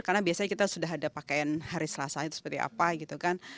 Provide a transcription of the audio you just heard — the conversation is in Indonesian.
karena biasanya kita sudah ada pakaian hari selasa itu seperti apa gitu kan